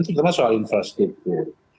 terutama soal infrastruktur